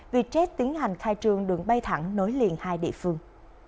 vietjet tiến hành khai trương đường bay thẳng nối liền hai địa phương